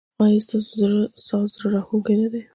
ایا ستاسو ساز زړه راښکونکی نه دی؟